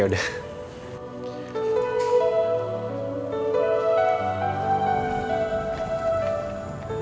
otak gue keliling